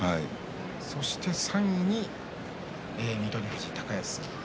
そして第３位に翠富士高安。